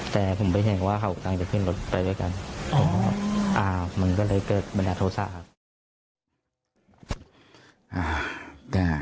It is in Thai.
แต่ผมไม่เห็นว่าเขาต้องจะขึ้นรถไปด้วยกันอ๋ออ่ามันก็เลยเกิดบรรดาโทรศาสตร์ครับ